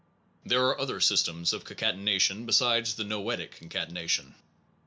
There are other systems of concatenation besides the noetic concatenation.